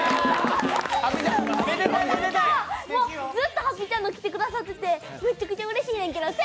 ずっとはっぴちゃんの着てくださっててめちゃくちゃうれしいねんけど。